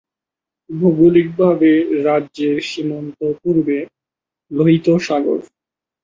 ভৌগোলিকভাবে, রাজ্যের সীমান্তে পূর্বে, লোহিত সাগর।